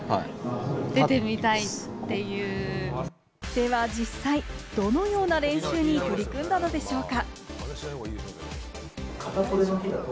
では実際、どのような練習に取り組んだのでしょうか。